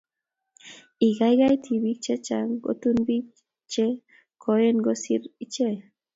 Ikaikai tibik chechang' kotun biik che koen kosir ichek